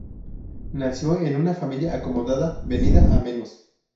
Nació en una familia acomodada venida a menos.